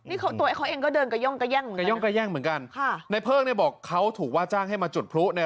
นี่ตัวเองก็เดินกระย่องกระแย่งเหมือนกัน